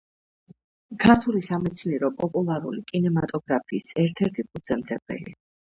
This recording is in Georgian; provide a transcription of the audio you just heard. ქართული სამეცნიერო-პოპულარული კინემატოგრაფიის ერთ-ერთი ფუძემდებელი.